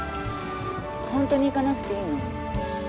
ホントに行かなくていいの？